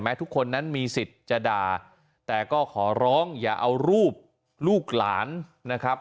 ทุกคนนั้นมีสิทธิ์จะด่าแต่ก็ขอร้องอย่าเอารูปลูกหลานนะครับ